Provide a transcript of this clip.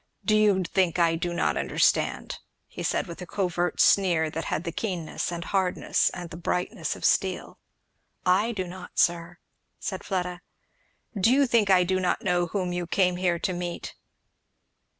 "Do you think I do not understand?" he said with a covert sneer that had the keenness and hardness, and the brightness, of steel. "I do not, sir," said Fleda. "Do you think I do not know whom you came here to meet?"